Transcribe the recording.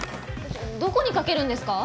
どこにかけるんですか？